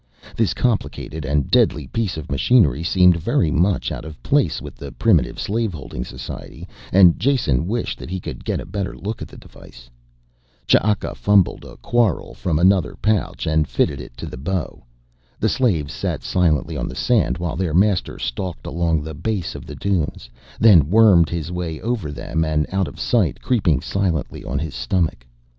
This complicated and deadly piece of machinery seemed very much out of place with the primitive slave holding society, and Jason wished that he could get a better look at the device. Ch'aka fumbled a quarrel from another pouch and fitted it to the bow. The slaves sat silently on the sand while their master stalked along the base of the dunes, then wormed his way over them and out of sight, creeping silently on his stomach.